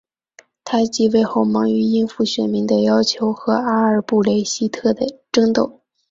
他即位后忙于应付选民的要求和阿尔布雷希特的争斗。